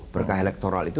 berkah elektoral itu